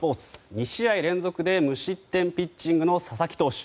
２試合連続で無失点ピッチングの佐々木投手。